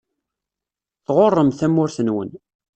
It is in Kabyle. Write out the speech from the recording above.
Tɣuṛṛem tamurt-nwen.